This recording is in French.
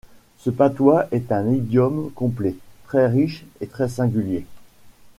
Ce patois est un idiome complet, très riche et très singulier.